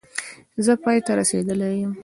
زه پای ته رسېدلی یم